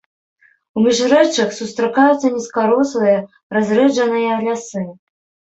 У міжрэччах сустракаюцца нізкарослыя разрэджаныя лясы.